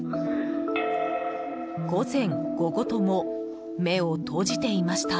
午前、午後とも目を閉じていました。